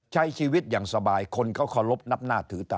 ใช้ชีวิตอย่างสบายคนเขาเคารพนับหน้าถือตา